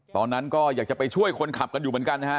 ตอนนั้นก็อยากจะไปช่วยคนขับกันอยู่เหมือนกันนะฮะ